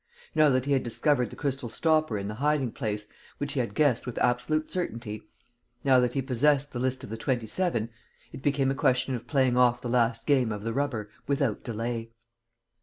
Now that he had discovered the crystal stopper in the hiding place which he had guessed with absolute certainty, now that he possessed the list of the Twenty seven, it became a question of playing off the last game of the rubber without delay.